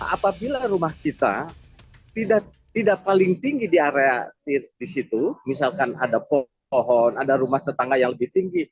apabila rumah kita tidak paling tinggi di area di situ misalkan ada pohon ada rumah tetangga yang lebih tinggi